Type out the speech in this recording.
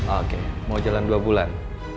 oke mau jalan dua bulan